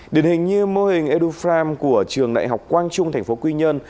điển hình như mô hình edufram của trường nại học quang trung tp quy nhơn